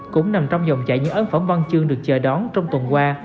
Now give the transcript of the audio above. cũng nằm trong dòng chạy những ấn phẩm văn chương được chờ đón trong tuần qua